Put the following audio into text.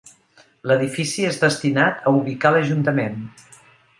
L'edifici és destinat a ubicar l'ajuntament.